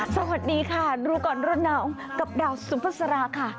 สวัสดีค่ะดูก่อนรุ่นหนาวกับดาวซุฟัสราค่ะ